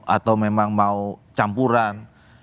atau memang mau campuran